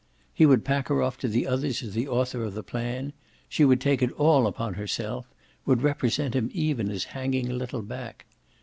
He would pack her off to the others as the author of the plan; she would take it all upon herself, would represent him even as hanging a little back.